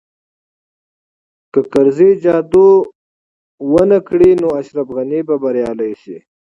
که کرزی جادو ونه کړي نو اشرف غني به بریالی شي